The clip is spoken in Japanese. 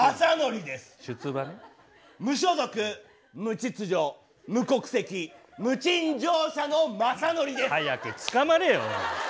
「無所属」「無秩序」「無国籍」「無賃乗車」のまさのりです！早く捕まれよ！